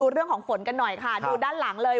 เรื่องของฝนกันหน่อยค่ะดูด้านหลังเลย